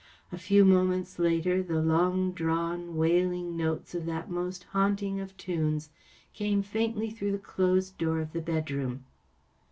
A few moments later the long drawn, wailing notes of that most haunting of tunes came faintly through the closed door of the bedroom.